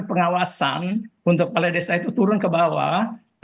pengawasan untuk balai desa itu turun ke bawah